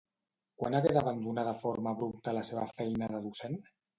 Quan hagué d'abandonar de forma abrupta la seva feina de docent?